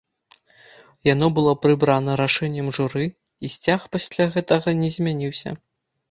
Яно было прыбрана рашэннем журы, і сцяг пасля гэтага не змяняўся.